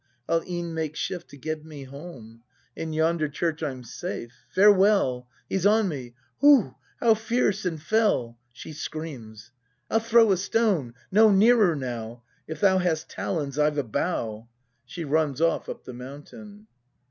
I'll e'en make shift to get me home ! In yonder church I'm safe, — farewell; He's on me, — hoo, how fierce and fell! [She screams.] I'll throw a stone. No nearer, now! If thou hast talons, I've a bough! [She runs off up the mountain.